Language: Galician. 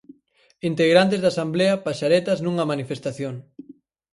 Integrantes da Asemblea Paxaretas nunha manifestación.